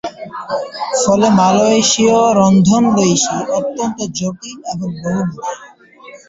ফলে মালয়েশীয় রন্ধনশৈলী অত্যন্ত জটিল এবং বহুমুখী।